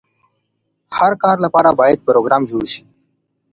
هر کار لپاره باید پروګرام جوړ شي.